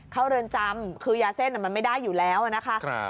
เรือนจำคือยาเส้นมันไม่ได้อยู่แล้วนะคะ